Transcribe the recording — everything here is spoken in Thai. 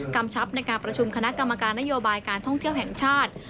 กำชับในการประชุมคณะกรรมการนโยบายการท่องเที่ยวแห่งชาติ